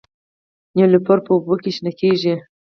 نیلوفر په اوبو کې شنه کیږي